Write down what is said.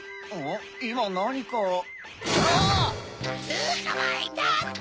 つかまえたっと！